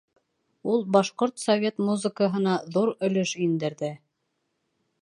Ул башҡорт совет музыкаһына ҙур өлөш индерҙе